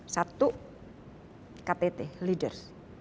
satu ktt leaders